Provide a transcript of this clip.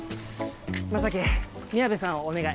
将希宮部さんをお願い。